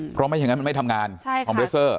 เพราะไม่อย่างนั้นมันไม่ทำงานคอมเรสเซอร์